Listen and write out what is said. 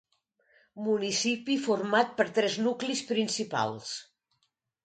Municipi format per tres nuclis principals: